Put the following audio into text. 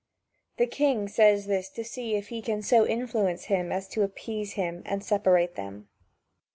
The king says this to see if he can so influence him as to appease him and separate them.